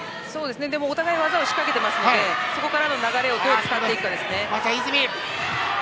でも、お互い技を仕掛けていますのでそこからの流れをどう使うかです。